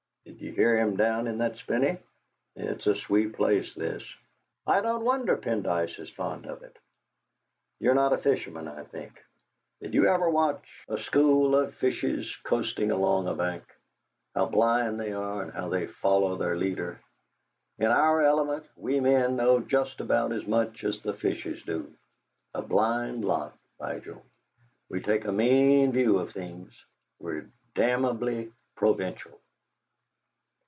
Did you hear him down in that spinney? It's a sweet place, this! I don't wonder Pendyce is fond of it. You're not a fisherman, I think? Did you ever watch a school of fishes coasting along a bank? How blind they are, and how they follow their leader! In our element we men know just about as much as the fishes do. A blind lot, Vigil! We take a mean view of things; we're damnably provincial!"